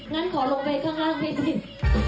งั้นขอลงเวทย์ข้างพีทิศ